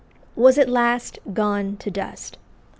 was at "last gone to dust."